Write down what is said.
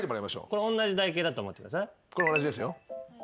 これ同じですよ。